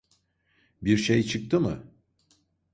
Bir şey çıktı mı?